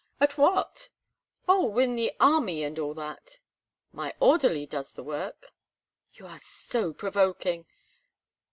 "At what?" "Oh, in the army and all that." "My orderly does the work." "You are so provoking.